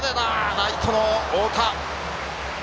ライトの大田。